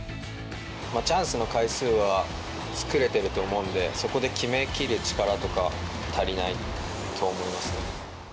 チャンスの回数は作れてると思うんで、そこで決めきる力とか足りないと思いますね。